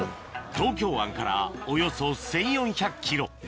東京湾からおよそ１４００ｋｍ